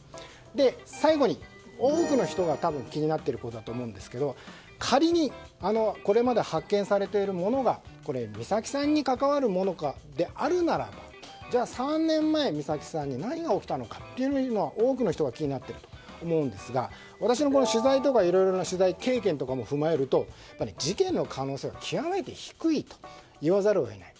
最後に、多くの人が気になっていることだと思うんですが仮に、これまで発見されているものが美咲さんに関わるものであるならばじゃあ、３年前美咲さんに何が起きたのかと多くの人が気になっていると思うんですが私の取材ではいろいろな取材経験とかも踏まえると事件の可能性は、極めて低いと言わざるを得ない。